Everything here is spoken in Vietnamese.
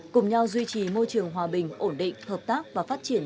cùng nhau duy trì môi trường hòa bình ổn định hợp tác và phát triển